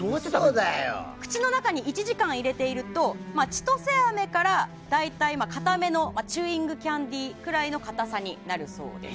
口の中に１時間入れていると千歳飴から大体かためのチューイングキャンディーぐらいのかたさになるそうです。